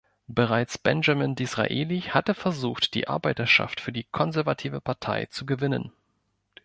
Bereits Benjamin Disraeli hatte versucht, die Arbeiterschaft für die konservative Partei zu gewinnen.